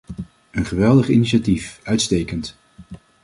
Een geweldig initiatief, uitstekend!